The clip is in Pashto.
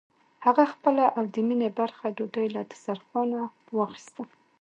هغه خپله او د مينې برخه ډوډۍ له دسترخوانه واخيسته.